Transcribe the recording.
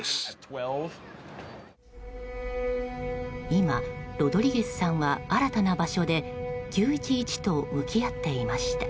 今、ロドリゲスさんは新たな場所で９・１１と向き合っていました。